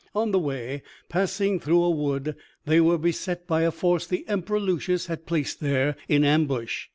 On the way, passing through a wood, they were beset by a force the Emperor Lucius had placed there in ambush.